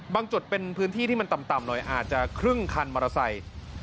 จุดเป็นพื้นที่ที่มันต่ำหน่อยอาจจะครึ่งคันมอเตอร์ไซค์